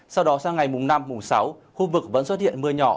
sau đó sang ngày năm sáu khu vực vẫn xuất hiện mưa nhỏ